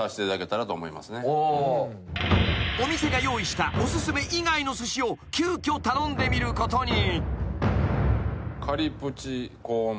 ［お店が用意したお薦め以外のすしを急きょ頼んでみることに］